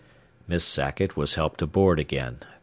Miss Sackett was helped aboard again.